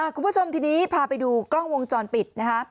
คุณผู้ชมทีนี้พาไปดูกล้องวงจรปิดนะคะ